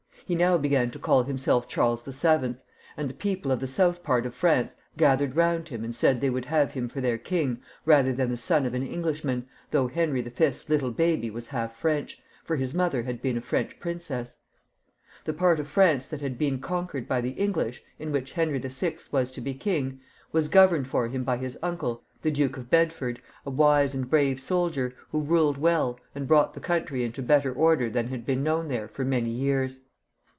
He now began to caU himself Charles VIL, and the people of the south part of France gathered round him and said they would have him for their king sooner than the son of an Englishman, though Henry V/s little baby was half French, for his mother had been a French princess. The part of France that had been conquered by the English, in which Henry VI. was to be king was governed for him by his uncle, the Duke of Bedford, a wise and brave soldier, who ruled well, and brought the country into better order than had been known there for many years.